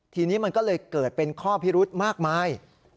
ทีนี้มันก็เลยเกิดเป็นข้อพิรุธมากมาย